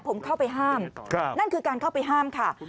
ผมเข้าไปห้ามนั่นคือการเข้าไปห้ามค่ะ